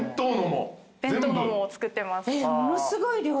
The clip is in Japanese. ものすごい量よ。